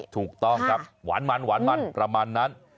ถูกต้องครับหวานประมาณนั้น